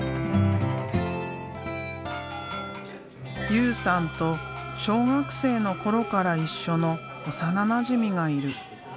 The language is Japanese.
雄さんと小学生の頃から一緒の幼なじみがいる。